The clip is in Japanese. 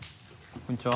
こんにちは。